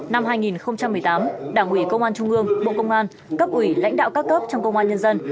năm hai nghìn một mươi tám đảng ủy công an trung ương bộ công an cấp ủy lãnh đạo các cấp trong công an nhân dân